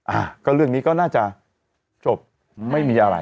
อ่ะก็เรื่องนี้ก็น่าจะจบไม่มีอะไร